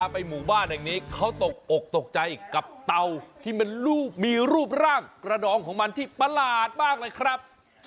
ไปหมู่บ้านแห่งนี้เขาตกอกตกใจกับเตาที่มันมีรูปร่างกระดองของมันที่ประหลาดมากเลยครับ